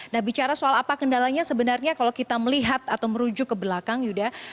nah bicara soal apa kendalanya sebenarnya kalau kita melihat atau merujuk ke belakang yuda